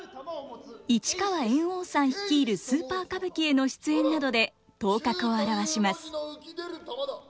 市川猿翁さん率いるスーパー歌舞伎への出演などで頭角を現します。